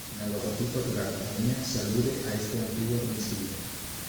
En el logotipo de la compañía se alude a este antiguo domicilio.